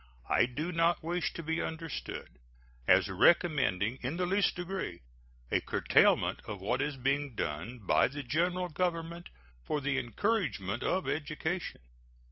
I do not wish to be understood as recommending in the least degree a curtailment of what is being done by the General Government for the encouragement of education.